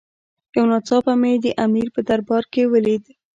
یو ناڅاپه مې د امیر په دربار کې ولید.